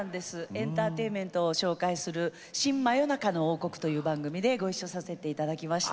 エンターテインメントを紹介する「新・真夜中の王国」という番組でご一緒させて頂きました。